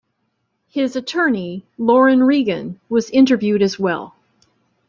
His attorney, Lauren Regan, was interviewed as well.